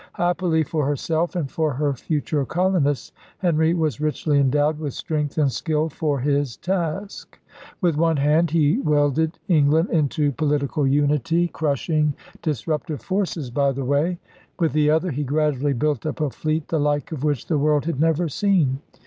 Happily for herself and for her future colonists, Henry was richly endowed with strength and skill for his task. With one hand he welded England into political unity. KING HENRY VIII 21 crushing disruptive forces by the way. With the other he gradually built up a fleet the like of which the world had never seen.